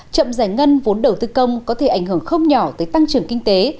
chậm giải ngân vốn đầu tư công có thể ảnh hưởng không nhỏ tới tăng trưởng kinh tế